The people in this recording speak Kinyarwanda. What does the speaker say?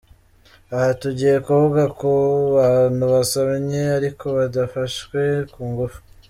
Aha tugiye kuvuga ku bantu basamye ariko badafashwe ku ngufu.